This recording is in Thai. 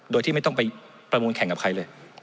โดยที่ไม่ต้องไปประมูลแข่งกับใครเลย